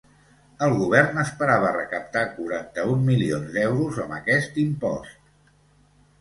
El govern esperava recaptar quaranta-un milions d’euros amb aquest impost.